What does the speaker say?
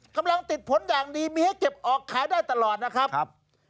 กำลังติดผลอย่างดีมีให้เก็บออกขายได้ตลอดนะครับ